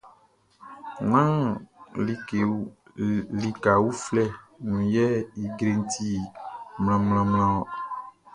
Nán lika uflɛ nun yɛ ijreʼn ti mlanmlanmlan ɔn.